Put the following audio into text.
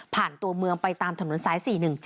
ตัวเมืองไปตามถนนสาย๔๑๗